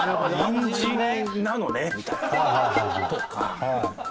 「ニンジンなのね」みたいなとか。